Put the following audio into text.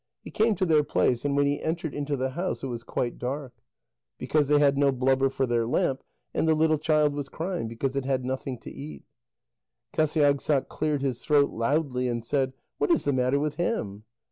He came to their place, and when he entered into the house, it was quite dark, because they had no blubber for their lamp, and the little child was crying, because it had nothing to eat. Qasiagssaq cleared his throat loudly and said: "What is the matter with him?"